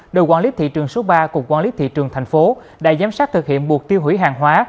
đội quản lý thị trường số ba cục quản lý thị trường thành phố đã giám sát thực hiện buộc tiêu hủy hàng hóa